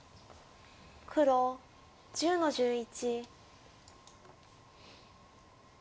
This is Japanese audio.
黒１０の十一。